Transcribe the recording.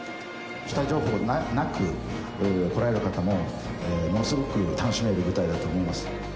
下情報なく来られる方もものすごく楽しめる舞台だと思います